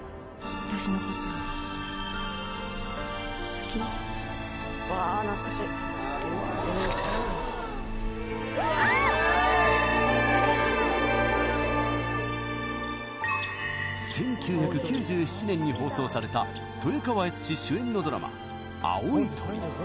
好きです１９９７年に放送された豊川悦司主演のドラマ「青い鳥」